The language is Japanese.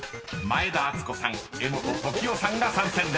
前田敦子さん柄本時生さんが参戦です］